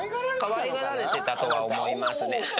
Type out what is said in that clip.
かわいがられてたとは思いますね。